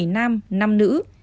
bảy nam năm nữ